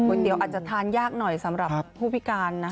เตี๋ยอาจจะทานยากหน่อยสำหรับผู้พิการนะ